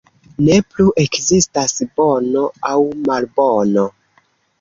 Ne plu ekzistas bono aŭ malbono.